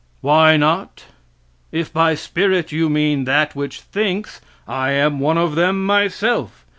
Why not? If by spirit you mean that which thinks, I am one of them myself.